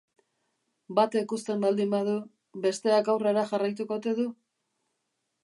Batek uzten baldin badu, besteak aurrera jarraituko ote du?